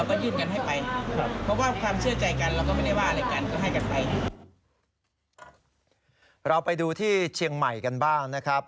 กันไงเราไปดูที่เชียงใหม่กันบ้างนะครับ